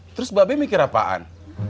terus mbak bem mikir apaan